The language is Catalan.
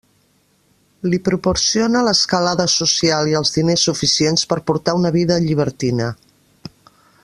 Li proporciona l'escalada social i els diners suficients per portar una vida llibertina.